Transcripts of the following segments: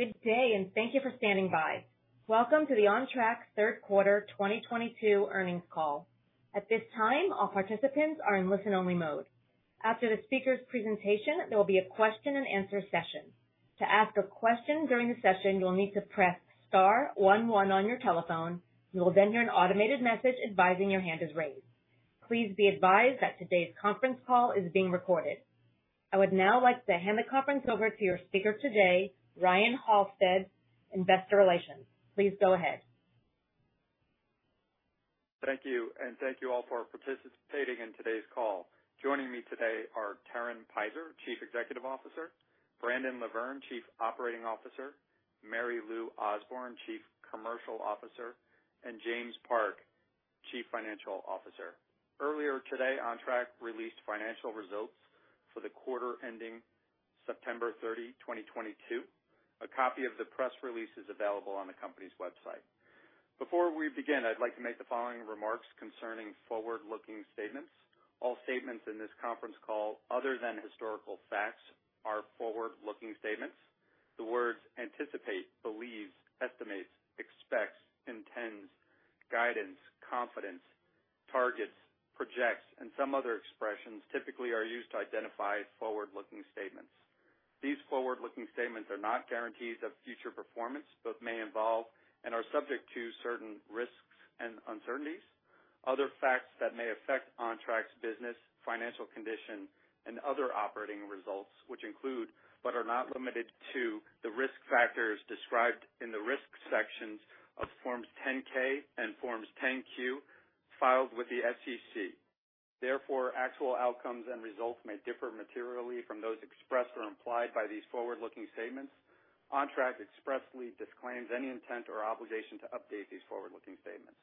Good day, and thank you for standing by. Welcome to the Ontrak third quarter 2022 earnings call. At this time, all participants are in listen-only mode. After the speakers' presentation, there will be a question-and-answer session. To ask a question during the session, you will need to press star one one on your telephone. You will then hear an automated message advising your hand is raised. Please be advised that today's conference call is being recorded. I would now like to hand the conference over to your speaker today, Ryan Halsted, Investor Relations. Please go ahead. Thank you, and thank you all for participating in today's call. Joining me today are Terren Peizer, Chief Executive Officer, Brandon LaVerne, Chief Operating Officer, Mary Louise Osborne, Chief Commercial Officer, and James Park, Chief Financial Officer. Earlier today, Ontrak released financial results for the quarter ending September 30, 2022. A copy of the press release is available on the company's website. Before we begin, I'd like to make the following remarks concerning forward-looking statements. All statements in this conference call other than historical facts, are forward-looking statements. The words anticipate, believes, estimates, expects, intends, guidance, confidence, targets, projects, and some other expressions typically are used to identify forward-looking statements. These forward-looking statements are not guarantees of future performance, but may involve and are subject to certain risks and uncertainties. Other facts that may affect Ontrak's business, financial condition, and other operating results, which include, but are not limited to the risk factors described in the Risk sections of Forms 10-K and Forms 10-Q filed with the SEC. Therefore, actual outcomes and results may differ materially from those expressed or implied by these forward-looking statements. Ontrak expressly disclaims any intent or obligation to update these forward-looking statements.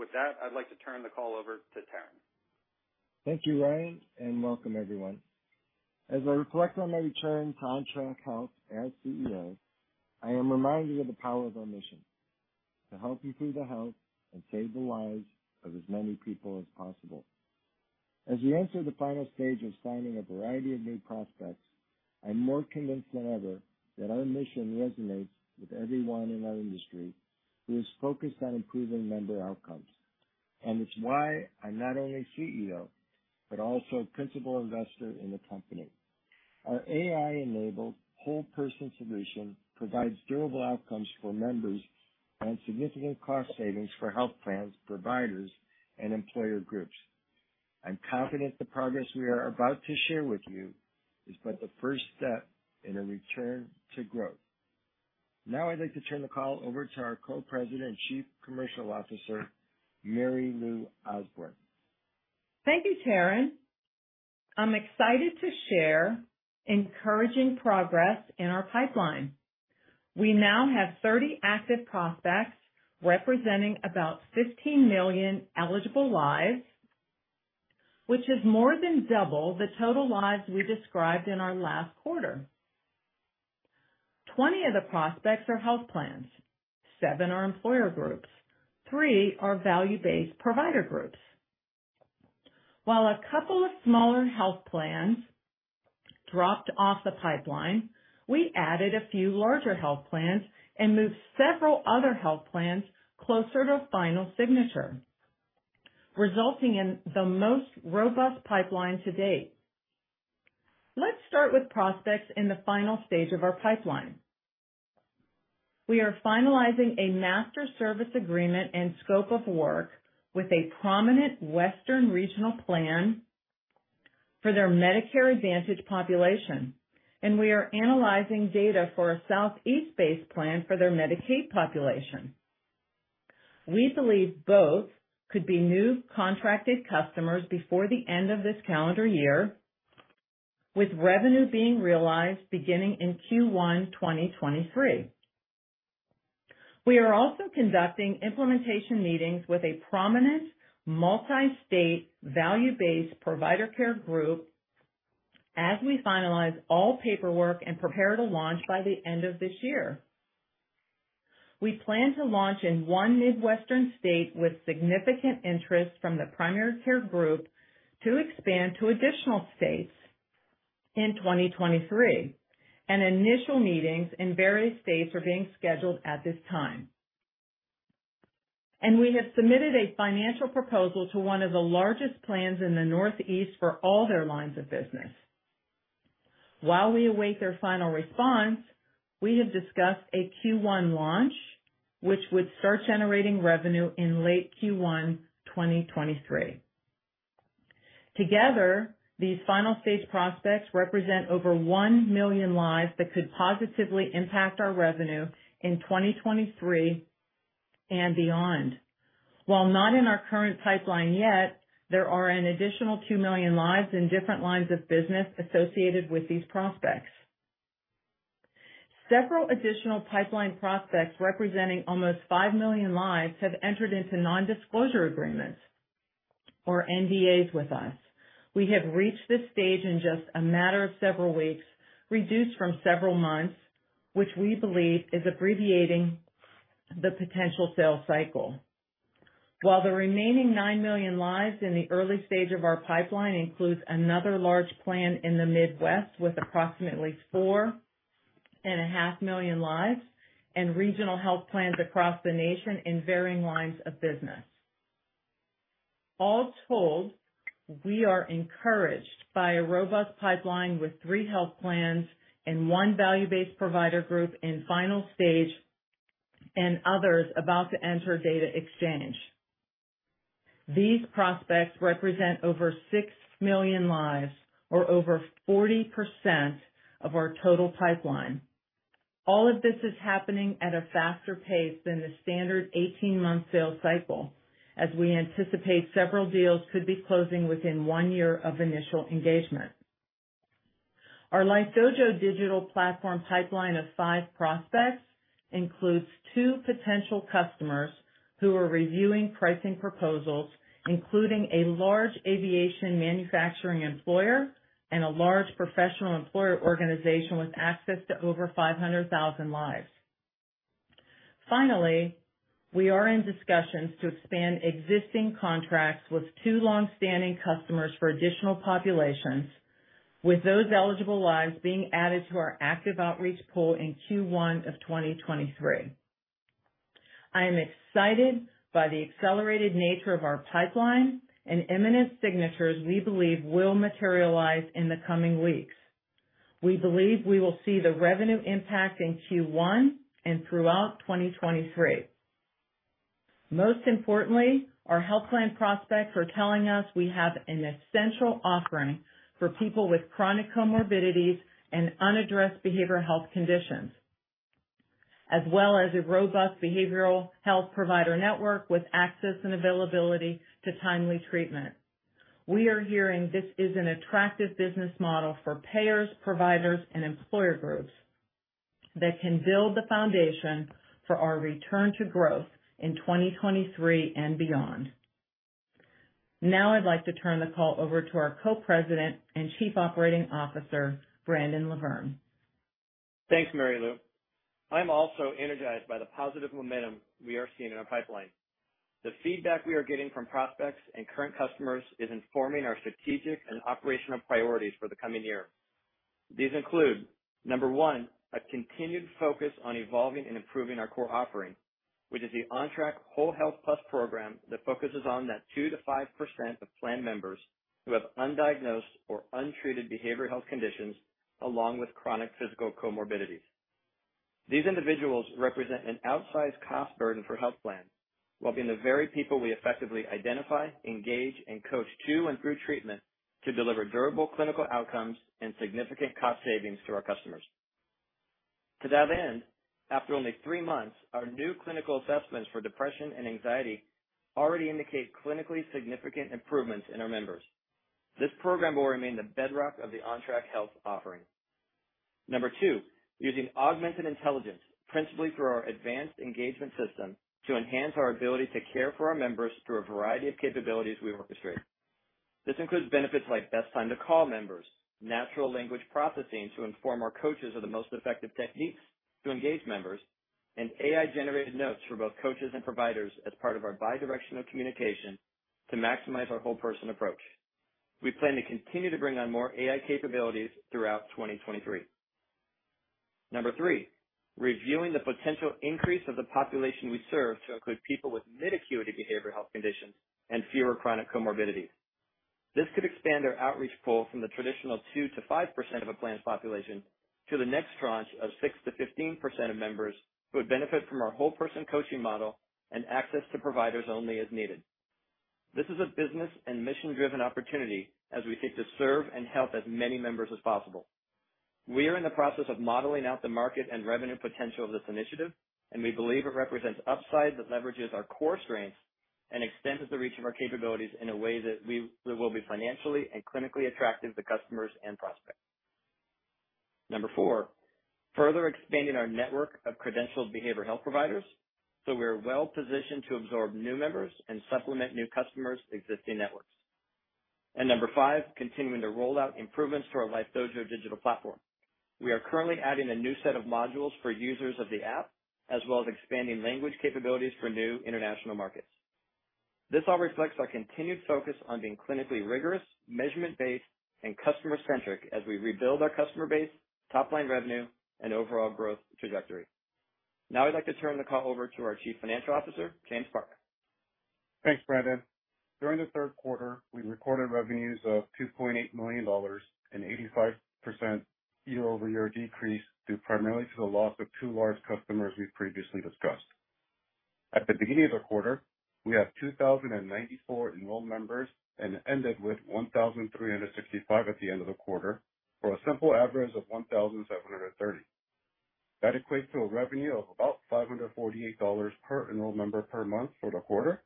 With that, I'd like to turn the call over to Terren. Thank you, Ryan Halsted, and welcome everyone. As I reflect on my return to Ontrak Health as CEO, I am reminded of the power of our mission to help improve the health and save the lives of as many people as possible. As we enter the final stage of signing a variety of new prospects, I'm more convinced than ever that our mission resonates with everyone in our industry who is focused on improving member outcomes, and it's why I'm not only CEO, but also a principal investor in the company. Our AI-enabled whole person solution provides durable outcomes for members and significant cost savings for health plans, providers, and employer groups. I'm confident the progress we are about to share with you is but the first step in a return to growth. Now, I'd like to turn the call over to our Co-President and Chief Commercial Officer, Mary Louise Osborne. Thank you, Terren. I'm excited to share encouraging progress in our pipeline. We now have 30 active prospects representing about 15 million eligible lives, which is more than double the total lives we described in our last quarter. 20 of the prospects are health plans, seven are employer groups, three are value-based provider groups. While a couple of smaller health plans dropped off the pipeline, we added a few larger health plans and moved several other health plans closer to a final signature, resulting in the most robust pipeline to date. Let's start with prospects in the final stage of our pipeline. We are finalizing a master service agreement and scope of work with a prominent Western regional plan for their Medicare Advantage population, and we are analyzing data for a Southeast-based plan for their Medicaid population. We believe both could be new contracted customers before the end of this calendar year, with revenue being realized beginning in Q1, 2023. We are also conducting implementation meetings with a prominent multi-state value-based provider care group as we finalize all paperwork and prepare to launch by the end of this year. We plan to launch in one Midwestern state with significant interest from the primary care group to expand to additional states in 2023, and initial meetings in various states are being scheduled at this time. We have submitted a financial proposal to one of the largest plans in the Northeast for all their lines of business. While we await their final response, we have discussed a Q1 launch, which would start generating revenue in late Q1, 2023. Together, these final stage prospects represent over 1 million lives that could positively impact our revenue in 2023 and beyond. While not in our current pipeline yet, there are an additional 2 million lives in different lines of business associated with these prospects. Several additional pipeline prospects representing almost 5 million lives have entered into nondisclosure agreements or NDAs with us. We have reached this stage in just a matter of several weeks, reduced from several months, which we believe is abbreviating the potential sales cycle. While the remaining 9 million lives in the early stage of our pipeline includes another large plan in the Midwest with approximately 4.5 million lives, and regional health plans across the nation in varying lines of business. All told, we are encouraged by a robust pipeline with three health plans and one value-based provider group in final stage, and others about to enter data exchange. These prospects represent over 6 million lives or over 40% of our total pipeline. All of this is happening at a faster pace than the standard 18-month sales cycle, as we anticipate several deals could be closing within one year of initial engagement. Our LifeDojo digital platform pipeline of five prospects includes two potential customers who are reviewing pricing proposals, including a large aviation manufacturing employer and a large professional employer organization with access to over 500,000 lives. Finally, we are in discussions to expand existing contracts with two long-standing customers for additional populations, with those eligible lives being added to our active outreach pool in Q1 of 2023. I am excited by the accelerated nature of our pipeline and imminent signatures we believe will materialize in the coming weeks. We believe we will see the revenue impact in Q1 and throughout 2023. Most importantly, our health plan prospects are telling us we have an essential offering for people with chronic comorbidities and unaddressed behavioral health conditions, as well as a robust behavioral health provider network with access and availability to timely treatment. We are hearing this is an attractive business model for payers, providers, and employer groups that can build the foundation for our return to growth in 2023 and beyond. Now I'd like to turn the call over to our Co-President and Chief Operating Officer, Brandon LaVerne. Thanks, Mary Lou. I'm also energized by the positive momentum we are seeing in our pipeline. The feedback we are getting from prospects and current customers is informing our strategic and operational priorities for the coming year. These include, number one, a continued focus on evolving and improving our core offering, which is the Ontrak WholeHealth+ program that focuses on that 2%-5% of plan members who have undiagnosed or untreated behavioral health conditions along with chronic physical comorbidities. These individuals represent an outsized cost burden for health plans, while being the very people we effectively identify, engage, and coach to and through treatment to deliver durable clinical outcomes and significant cost savings to our customers. To that end, after only three months, our new clinical assessments for depression and anxiety already indicate clinically significant improvements in our members. This program will remain the bedrock of the Ontrak Health offering. Number two, using augmented intelligence, principally through our Advanced Engagement System, to enhance our ability to care for our members through a variety of capabilities we orchestrate. This includes benefits like best time to call members, natural language processing to inform our coaches of the most effective techniques to engage members, and AI-generated notes for both coaches and providers as part of our bi-directional communication to maximize our whole person approach. We plan to continue to bring on more AI capabilities throughout 2023. Number three, reviewing the potential increase of the population we serve to include people with mid-acuity behavioral health conditions and fewer chronic comorbidities. This could expand our outreach pool from the traditional 2%-5% of a planned population to the next tranche of 6%-15% of members who would benefit from our whole person coaching model and access to providers only as needed. This is a business and mission-driven opportunity as we seek to serve and help as many members as possible. We are in the process of modeling out the market and revenue potential of this initiative, and we believe it represents upside that leverages our core strengths and extends the reach of our capabilities in a way that will be financially and clinically attractive to customers and prospects. Number four, further expanding our network of credentialed behavioral health providers, so we are well positioned to absorb new members and supplement new customers' existing networks. Number five, continuing to roll out improvements to our LifeDojo digital platform. We are currently adding a new set of modules for users of the app, as well as expanding language capabilities for new international markets. This all reflects our continued focus on being clinically rigorous, measurement-based, and customer-centric as we rebuild our customer base, top-line revenue, and overall growth trajectory. Now I'd like to turn the call over to our Chief Financial Officer, James Park. Thanks, Brandon. During the third quarter, we recorded revenues of $2.8 million, an 85% year-over-year decrease due primarily to the loss of two large customers we've previously discussed. At the beginning of the quarter, we had 2,094 enrolled members and ended with 1,365 at the end of the quarter, for a simple average of 1,730. That equates to a revenue of about $548 per enrolled member per month for the quarter,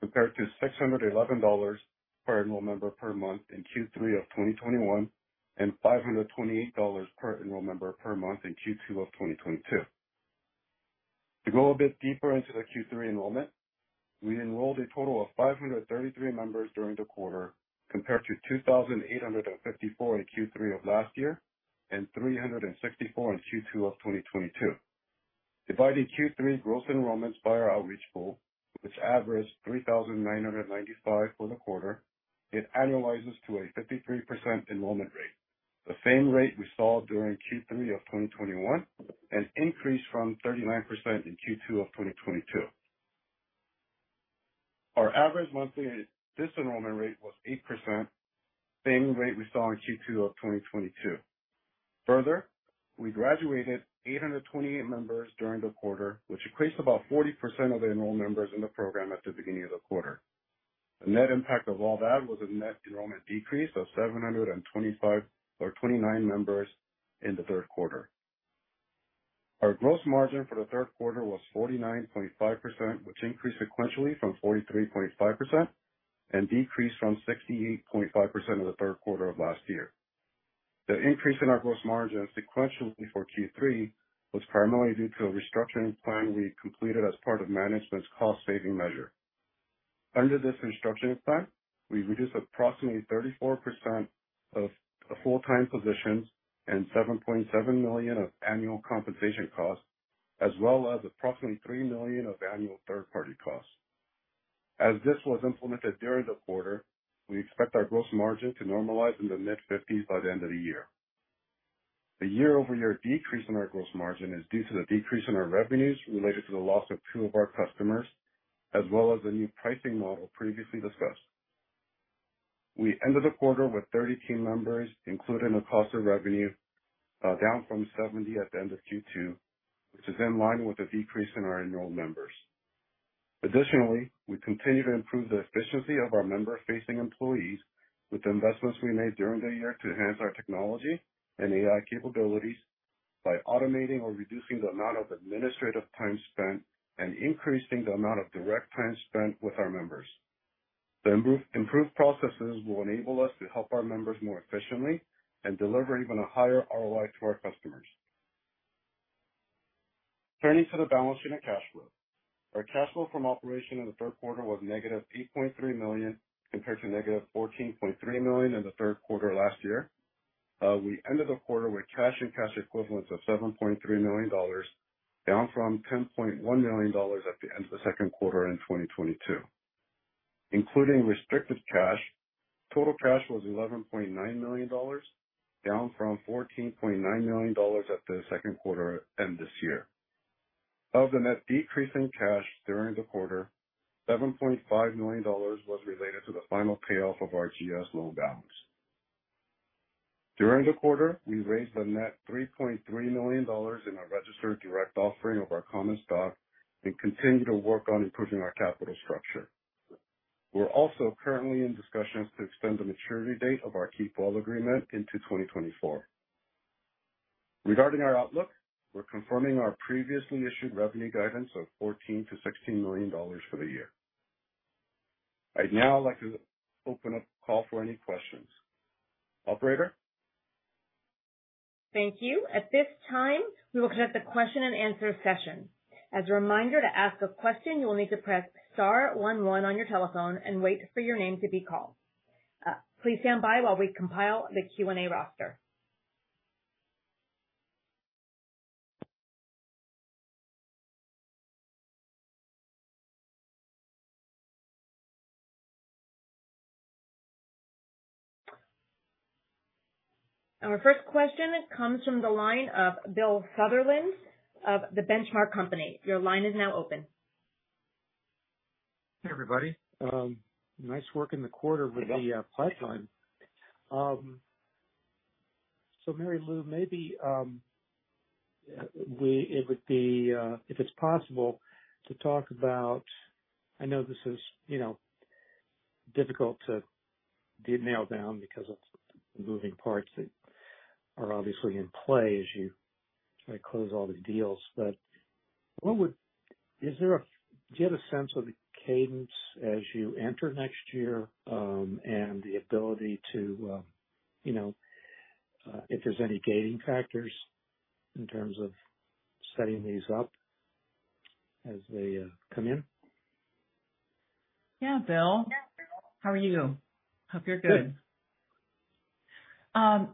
compared to $611 per enrolled member per month in Q3 of 2021, and $528 per enrolled member per month in Q2 of 2022. To go a bit deeper into the Q3 enrollment, we enrolled a total of 533 members during the quarter compared to 2,854 in Q3 of last year. Three hundred and sixty-four in Q2 of 2022. Dividing Q3 gross enrollments by our outreach pool, which averaged 3,995 for the quarter, it annualizes to a 53% enrollment rate, the same rate we saw during Q3 of 2021, an increase from 39% in Q2 of 2022. Our average monthly dis-enrollment rate was 8%, same rate we saw in Q2 of 2022. Further, we graduated 828 members during the quarter, which equates to about 40% of the enrolled members in the program at the beginning of the quarter. The net impact of all that was a net enrollment decrease of 725 or 29 members in the third quarter. Our gross margin for the third quarter was 49.5%, which increased sequentially from 43.5% and decreased from 68.5% of the third quarter of last year. The increase in our gross margin sequentially for Q3 was primarily due to a restructuring plan we completed as part of management's cost saving measure. Under this restructuring plan, we reduced approximately 34% of full-time positions and $7.7 million of annual compensation costs, as well as approximately $3 million of annual third party costs. As this was implemented during the quarter, we expect our gross margin to normalize in the mid-50s by the end of the year. The year-over-year decrease in our gross margin is due to the decrease in our revenues related to the loss of two of our customers, as well as the new pricing model previously discussed. We ended the quarter with 30 team members, including the cost of revenue, down from 70 at the end of Q2, which is in line with the decrease in our enrolled members. Additionally, we continue to improve the efficiency of our member-facing employees with the investments we made during the year to enhance our technology and AI capabilities by automating or reducing the amount of administrative time spent and increasing the amount of direct time spent with our members. The improved processes will enable us to help our members more efficiently and deliver even a higher ROI to our customers. Turning to the balance sheet and cash flow. Our cash flow from operations in the third quarter was negative $8.3 million compared to negative $14.3 million in the third quarter last year. We ended the quarter with cash and cash equivalents of $7.3 million, down from $10.1 million at the end of the second quarter in 2022. Including restricted cash, total cash was $11.9 million, down from $14.9 million at the second quarter end this year. Of the net decrease in cash during the quarter, $7.5 million was related to the final payoff of our GS loan balance. During the quarter, we raised a net $3.3 million in our registered direct offering of our common stock and continue to work on improving our capital structure. We're also currently in discussions to extend the maturity date of our Keepwell agreement into 2024. Regarding our outlook, we're confirming our previously issued revenue guidance of $14 million-$16 million for the year. I'd now like to open up the call for any questions. Operator? Thank you. At this time, we will conduct the question and answer session. As a reminder, to ask a question, you will need to press star one one on your telephone and wait for your name to be called. Please stand by while we compile the Q&A roster. Our first question comes from the line of Bill Sutherland of The Benchmark Company. Your line is now open. Hey, everybody. Nice work in the quarter with the pipeline. Mary Lou, maybe it would be, if it's possible, to talk about. I know this is, you know, difficult to nail down because of moving parts that are obviously in play as you try to close all these deals, but do you have a sense of the cadence as you enter next year, and the ability to, you know, if there's any gating factors in terms of setting these up as they come in? Yeah, Bill. How are you? Hope you're good. Good.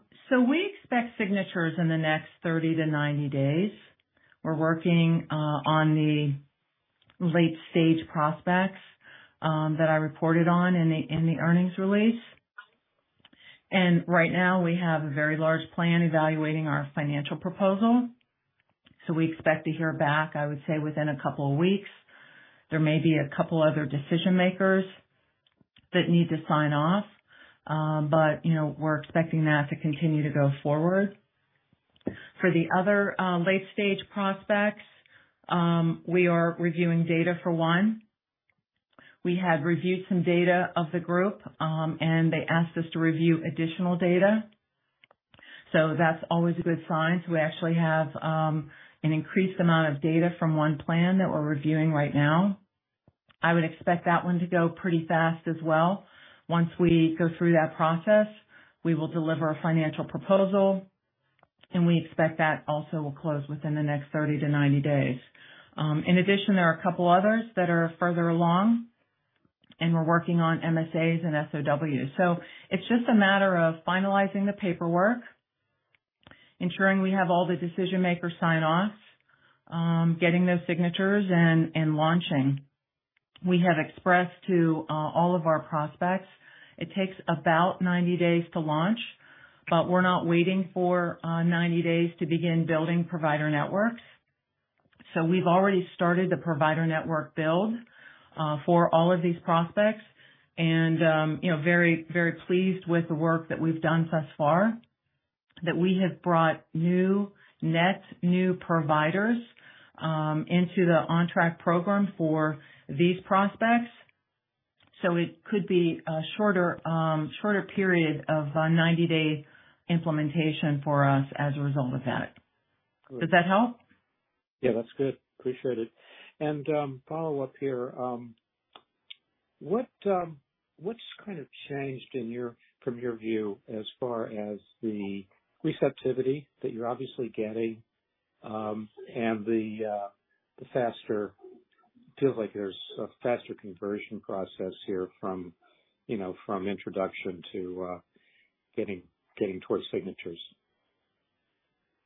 We expect signatures in the next 30-90 days. We're working on the late stage prospects that I reported on in the earnings release. Right now, we have a very large plan evaluating our financial proposal. We expect to hear back, I would say, within a couple of weeks. There may be a couple other decision makers that need to sign off. You know, we're expecting that to continue to go forward. For the other late stage prospects, we are reviewing data for one. We had reviewed some data of the group and they asked us to review additional data. That's always a good sign. We actually have an increased amount of data from one plan that we're reviewing right now. I would expect that one to go pretty fast as well. Once we go through that process, we will deliver a financial proposal, and we expect that also will close within the next 30-90 days. In addition, there are a couple others that are further along. We're working on MSAs and SOWs. It's just a matter of finalizing the paperwork, ensuring we have all the decision-makers sign off, getting those signatures and launching. We have expressed to all of our prospects it takes about 90 days to launch, but we're not waiting for 90 days to begin building provider networks. We've already started the provider network build for all of these prospects. You know, very, very pleased with the work that we've done thus far, that we have brought new providers into the Ontrak program for these prospects. It could be a shorter period of a 90-day implementation for us as a result of that. Good. Does that help? Yeah, that's good. Appreciate it. Follow-up here. What's kind of changed from your view as far as the receptivity that you're obviously getting, and the faster. Feels like there's a faster conversion process here from, you know, from introduction to getting towards signatures.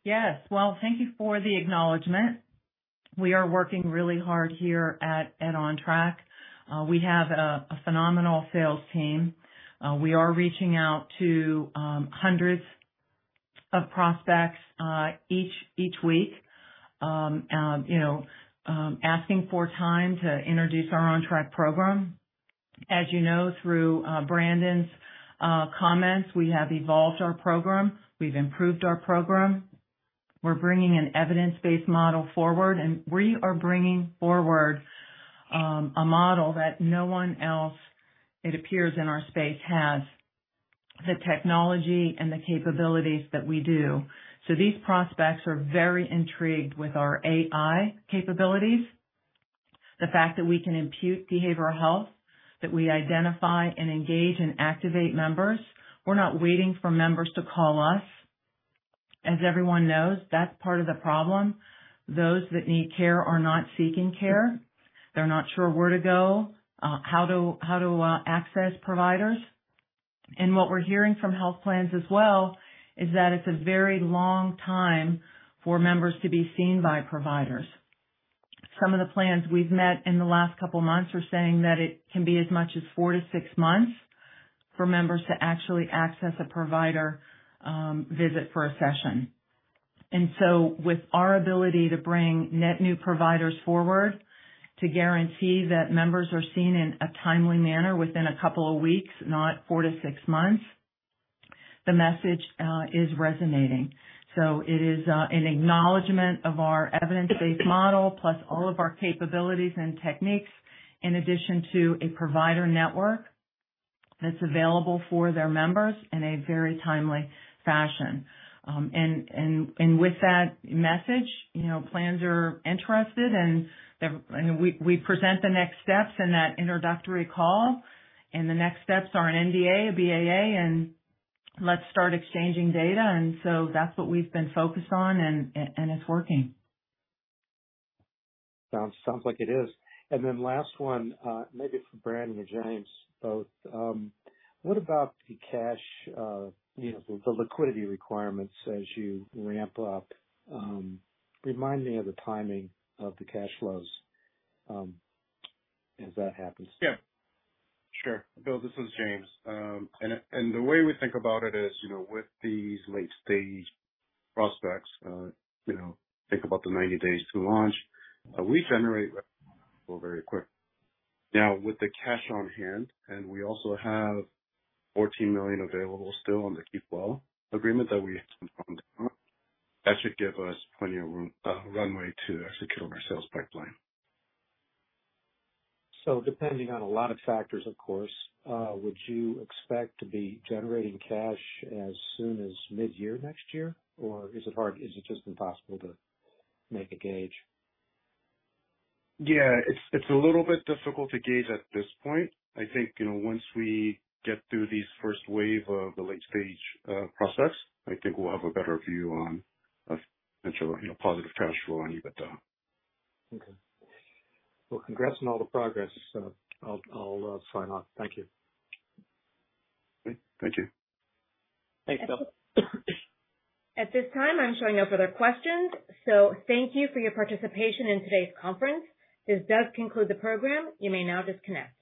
Yes. Well, thank you for the acknowledgement. We are working really hard here at Ontrak. We have a phenomenal sales team. We are reaching out to hundreds of prospects each week, you know, asking for time to introduce our Ontrak program. As you know, through Brandon's comments, we have evolved our program. We've improved our program. We're bringing an evidence-based model forward, and we are bringing forward a model that no one else, it appears, in our space, has the technology and the capabilities that we do. So these prospects are very intrigued with our AI capabilities. The fact that we can impute behavioral health, that we identify and engage and activate members. We're not waiting for members to call us. As everyone knows, that's part of the problem. Those that need care are not seeking care. They're not sure where to go, how to access providers. What we're hearing from health plans as well is that it's a very long time for members to be seen by providers. Some of the plans we've met in the last couple months are saying that it can be as much as four to six months for members to actually access a provider visit for a session. With our ability to bring net new providers forward to guarantee that members are seen in a timely manner within a couple of weeks, not four to six months, the message is resonating. It is an acknowledgement of our evidence-based model, plus all of our capabilities and techniques, in addition to a provider network that's available for their members in a very timely fashion. With that message, you know, plans are interested and they're and we present the next steps in that introductory call. The next steps are an NDA, a BAA, and let's start exchanging data. That's what we've been focused on and it's working. Sounds like it is. Last one, maybe for Brandon or James, both. What about the cash, you know, the liquidity requirements as you ramp up? Remind me of the timing of the cash flows, as that happens. Yeah. Sure. Bill, this is James. The way we think about it is, you know, with these late-stage prospects, you know, think about the 90 days to launch, we generate very quick. Now, with the cash on-hand, and we also have $14 million available still on the Keepwell agreement that we had some funds on, that should give us plenty of room, runway to execute on our sales pipeline. Depending on a lot of factors, of course, would you expect to be generating cash as soon as mid-year next year? Or is it just impossible to make a gauge? Yeah, it's a little bit difficult to gauge at this point. I think, you know, once we get through this first wave of the late stage prospects, I think we'll have a better view on a potential, you know, positive cash flow on you, but. Okay. Well, congrats on all the progress. I'll sign off. Thank you. Great. Thank you. At this- Thanks, Bill. At this time, I'm showing no further questions. Thank you for your participation in today's conference. This does conclude the program. You may now disconnect.